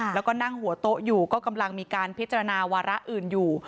แล้วก็นั่งหัวโต๊ะอยู่ก็กำลังมีการพิจารณาวาระอื่นอยู่